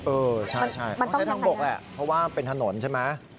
เออใช่ต้องใช้ทางบกแหละเพราะว่าเป็นถนนใช่ไหม